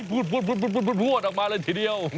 วดออกมาเลยทีเดียว